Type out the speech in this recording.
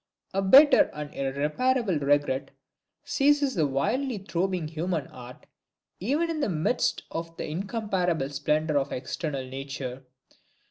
A bitter and irreparable regret seizes the wildly throbbing human heart, even in the midst of the incomparable splendor of external nature.